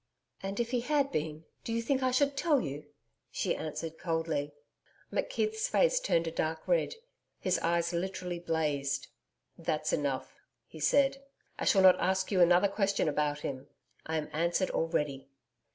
'And if he had been, do you think I should tell you,' she answered coldly. McKeith's face turned a dark red. His eyes literally blazed. 'That's enough.' He said, 'I shall not ask you another question about him. I am answered already.'